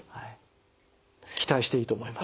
期待していいと思います。